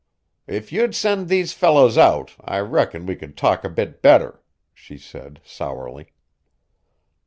"If you'd send these fellows out, I reckon we could talk a bit better," she said sourly.